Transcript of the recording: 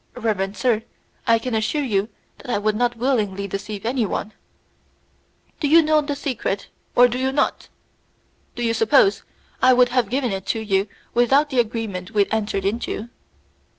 "Reverend sir, I can assure you that I would not willingly deceive any one." "Do you know the secret, or do you not? Do you suppose I would have given it to you without the agreement we entered into?